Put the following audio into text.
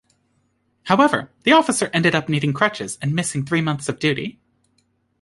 However, the officer ended up needing crutches and missing three months of duty.